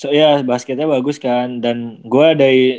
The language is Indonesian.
so ya basket nya bagus kan dan gue dari